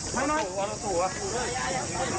คุณผู้ชมรักกรรมโมอายุห้าสิบเก้าปี